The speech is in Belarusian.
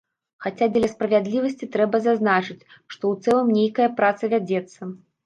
Хаця, дзеля справядлівасці, трэба зазначыць, што ў цэлым нейкая праца вядзецца.